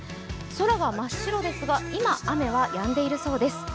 空は真っ白ですが、今、雨はやんでいるそうです。